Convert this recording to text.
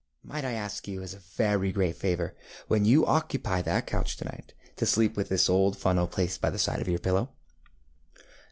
Might I ask you as a very great favour, when you occupy that couch to night, to sleep with this old funnel placed by the side of your pillow?